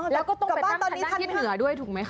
แล้วก็ต้องไปตั้งขนาดที่เหนือด้วยถูกไหมคะ